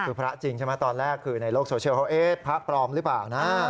คือพระจริงใช่ไหมตอนแรกคือในโลกโซเชียลเขาเอ๊ะพระปลอมหรือเปล่านะ